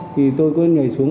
thì tôi có nhảy xuống